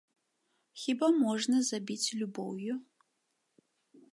Хіба можна забіць любоўю?